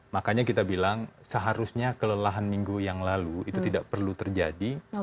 makanya kita bilang seharusnya kelelahan minggu yang lalu itu tidak perlu terjadi